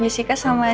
juga kenapa kalah kita